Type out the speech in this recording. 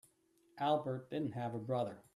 Albert didn't have a brother.